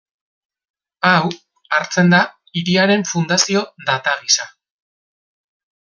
Hau hartzen da hiriaren fundazio data gisa.